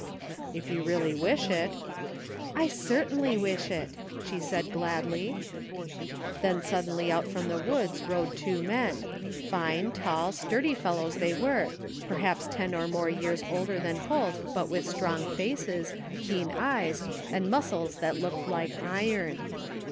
"If you really wish it' " I certainly wish it," she said gladly. 191 99 THE FINDING OF JASPER HOLT Then suddenly out from the woods rode two men ; fine, tall, sturdy fellows they were, periiaps ten or more years older than Holt, but with strong faces, keen eyes, and muscles that looked like iron.